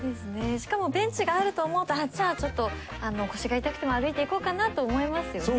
しかもベンチがあると思うとちょっと腰が痛くても歩いていこうかなと思いますよね。